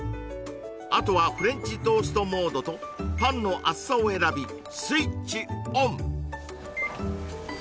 あとはフレンチトーストモードとパンの厚さを選びスイッチオン